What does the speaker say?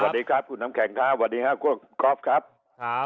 สวัสดีครับสวัสดีครับคุณน้ำแข็ง